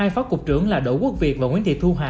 hai phó cục trưởng là đỗ quốc việt và nguyễn thị thu hà